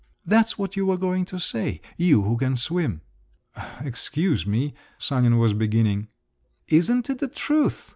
That's what you were going to say, you who can swim!" "Excuse me," Sanin was beginning…. "Isn't it the truth?